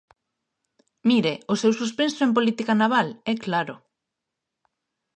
Mire, o seu suspenso en política naval é claro.